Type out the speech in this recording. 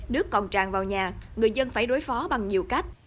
nước còn tràn vào nhà người dân phải đối phó bằng nhiều cách